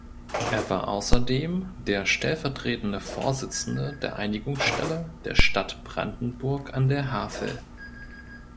Er war außerdem der stellvertretende Vorsitzende der Einigungsstelle der Stadt Brandenburg an der Havel.